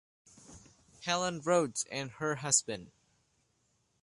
Helen Rhodes, and her husband.